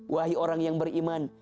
wahi orang yang beriman